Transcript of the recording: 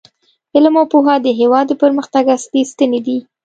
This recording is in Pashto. علم او پوهه د هیواد د پرمختګ اصلي ستنې دي.